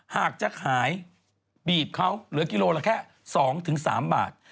หากจะขายบีบเขาเหลือกิโลละแค่๒๓บาท